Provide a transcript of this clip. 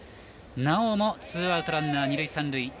なおもツーアウトランナー二塁三塁。